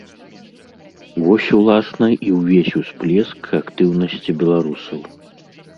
Вось уласна і ўвесь усплеск актыўнасці беларусаў.